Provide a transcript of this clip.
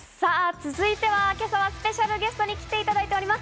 続いてはスペシャルゲストに来ていただいております。